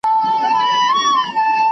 ¬ چيري ئې وهم، چيري ئې ږغ وزي.